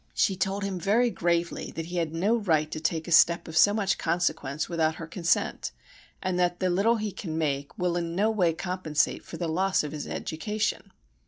She told him very gravely that he had no right to take a step of so much consequence without her consent, and that the little he can make will in no way compensate for the loss of his education.